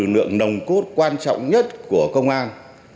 một lực lượng nồng cốt quan trọng nhất của công an